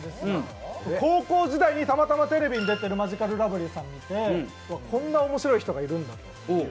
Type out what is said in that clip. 高校時代にたまたまテレビに出てるマヂカルラブリーさんを見て、こんな面白い人いるんだって。